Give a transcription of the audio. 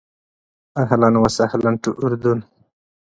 اهلاً و سهلاً ټو اردن.